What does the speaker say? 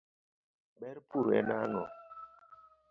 ber pur en ang'o?